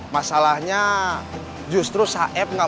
masalahnya justru saeb gak mau ketemu saya